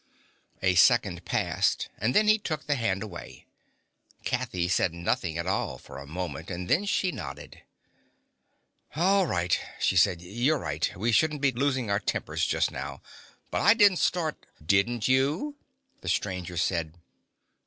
A second passed and then he took the hand away. Kathy said nothing at all for a moment, and then she nodded. "All right," she said. "You're right. We shouldn't be losing our tempers just now. But I didn't start " "Didn't you?" the stranger said.